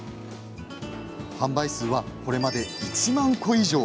販売数はこれまで１万個以上。